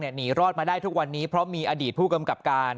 หนีรอดมาได้ทุกวันนี้เพราะมีอดีตผู้กำกับการ